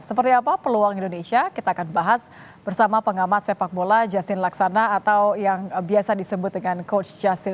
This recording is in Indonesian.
seperti apa peluang indonesia kita akan bahas bersama pengamat sepak bola justin laksana atau yang biasa disebut dengan coach justin